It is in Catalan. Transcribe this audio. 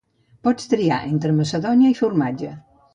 Pots triar entre macedònia i formatge